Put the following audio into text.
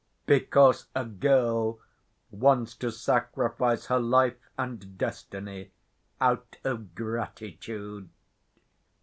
Because a girl wants to sacrifice her life and destiny out of gratitude.